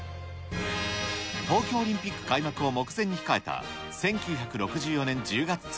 東京オリンピック開幕を目前に控えた１９６４年１０月１日。